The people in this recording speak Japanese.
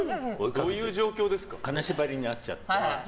金縛りにあっちゃって。